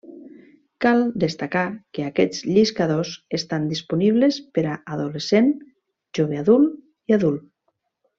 Cal destacar que aquests lliscadors estan disponibles per a adolescent, jove adult i adult.